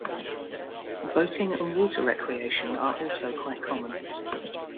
Boating and water recreation are also quite common.